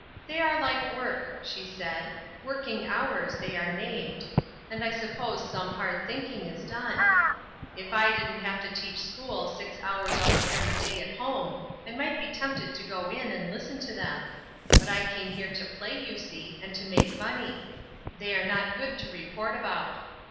"They are like work," she said. "'Working hours,' they are named; and I suppose some hard thinking is done. If I didn't have to teach school six hours out of every day at home I might be tempted to go in and listen to them; but I came here to play, you see, and to make money; they are not good to report about.